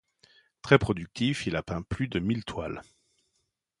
Très productif il a peint plus de mille toiles.